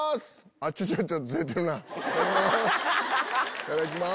いただきます。